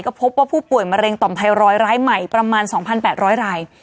ก็พบว่าผู้ป่วยมะเร็งต่อมไทรอยร้ายใหม่ประมาณ๒๘๐๐ราย